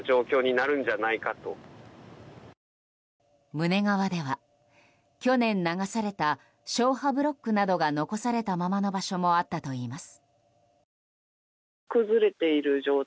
胸川では去年流された消波ブロックなどが残されたままの場所もあったといいます。